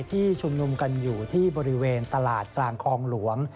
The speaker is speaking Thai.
ที่ชุมนุมกันอยู่ที่บริเวณตลาดกลางคลองหลวง